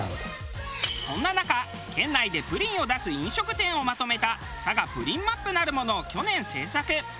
そんな中県内でプリンを出す飲食店をまとめた『さがプリンマップ』なるものを去年製作。